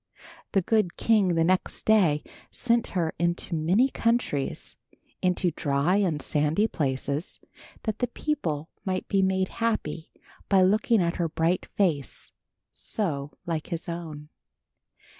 The good king the next day sent her into many countries, into dry and sandy places, that the people might be made happy by looking at her bright face, so like his own.